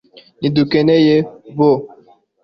ntidukeneye bo